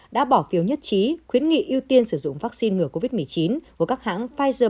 đã bỏ phiếu nhất trí khuyến nghị ưu tiên sử dụng vaccine ngừa covid một mươi chín của các hãng pfizer